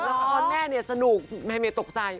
แล้วพออันนี้แม่สนุกแม่เมตตกใจ